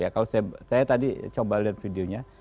kalau saya tadi coba lihat videonya